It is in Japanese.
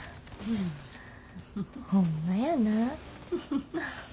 ホンマやな。